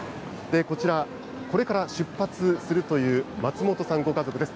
こちら、これから出発するというまつもとさんご家族です。